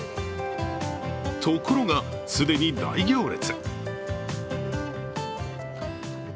ところが、既に大行列。